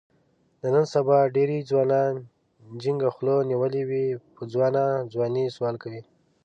د نن سبا ډېری ځوانانو جینګه خوله نیولې وي، په ځوانه ځوانۍ سوال کوي.